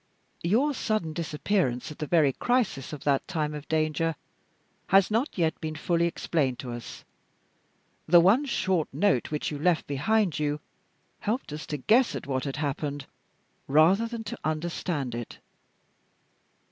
Your sudden disappearance at the very crisis of that time of danger has not yet been fully explained to us. The one short note which you left behind you helped us to guess at what had happened rather than to understand it."